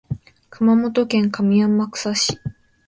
熊本県上天草市